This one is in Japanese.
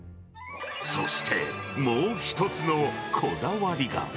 そして、もう一つのこだわりが。